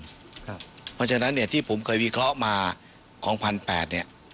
เพราะฉะนั้นเนี่ยที่ผมเคยวิเคราะห์มาของ๑๘๐๐เนี่ย